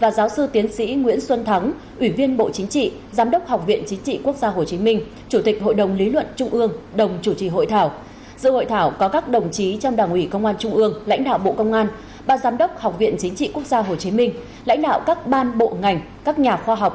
bà giám đốc học viện chính trị quốc gia hồ chí minh lãnh đạo các ban bộ ngành các nhà khoa học